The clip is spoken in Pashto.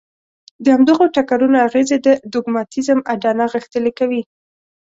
د همدغو ټکرونو اغېزې د دوګماتېزم اډانه غښتلې کوي.